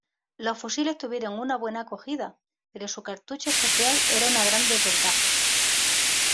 Los fusiles tuvieron una buena acogida, pero su cartucho especial era una gran desventaja.